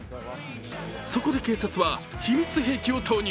そこで警察は、秘密兵器を投入。